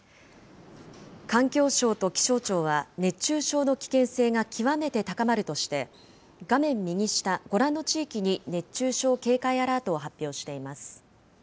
環境省と気象庁は熱中症の危険性が極めて高まるとして、画面右下、ご覧の地域に熱中症警戒アラートを発表しています。